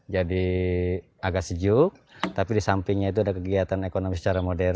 jadi agak sejuk tapi di sampingnya itu ada kegiatan ekonomi secara modern